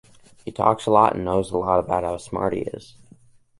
He talks a lot and knows a lot about how smart he is.